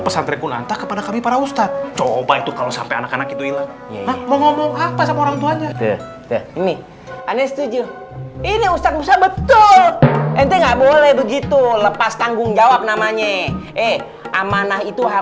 sampai jumpa di video selanjutnya